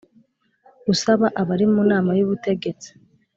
usaba abari mu nama y ubutegetsi